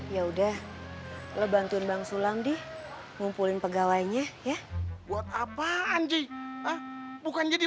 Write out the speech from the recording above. ya udah bantuin bang sulam di ngumpulin pegawainya ya buat apaan sih bukan jadi